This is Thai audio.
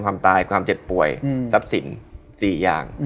ความตายความเจ็บป่วยทรัพย์สิน๔อย่าง